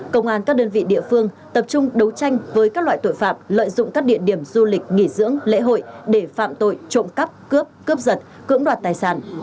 công an các đơn vị địa phương tập trung đấu tranh với các loại tội phạm lợi dụng các địa điểm du lịch nghỉ dưỡng lễ hội để phạm tội trộm cắp cướp cướp giật cưỡng đoạt tài sản